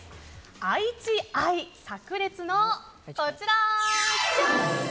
愛知愛さく裂のこちら！